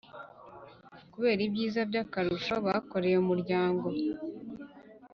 kubera ibyiza by akarusho bakoreye umuryango